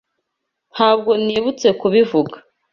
Ntabwo nibutse kubivuga